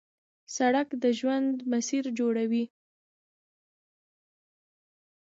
سړک د ژوند مسیر جوړوي.